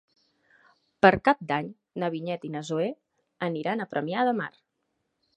Per Cap d'Any na Vinyet i na Zoè aniran a Premià de Mar.